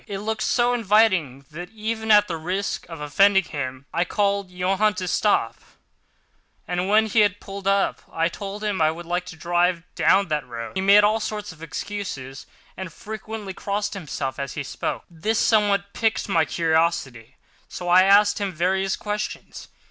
It looked so inviting that, even at the risk of offending him, I called Johann to stop—and when he had pulled up, I told him I would like to drive down that road. He made all sorts of excuses, and frequently crossed himself as he spoke. This somewhat piqued my curiosity, so I asked him various questions.